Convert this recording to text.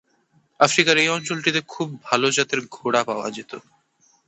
আফ্রিকার এই অঞ্চলটিতে খুব ভালো জাতের ঘোড়া পাওয়া যেত।